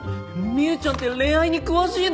実優ちゃんって恋愛に詳しいの？